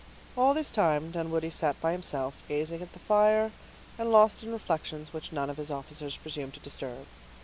All this time Dunwoodie sat by himself, gazing at the fire, and lost in reflections which none of his officers presumed to disturb.